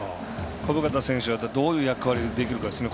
小深田選手どういう役割ができるかですね。